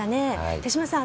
手嶋さん